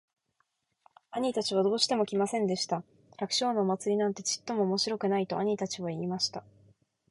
兄たちはどうしても来ませんでした。「百姓のお祭なんてちっとも面白くない。」と兄たちは言いました。